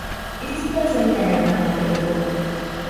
It is mostly intended as a holiday resort.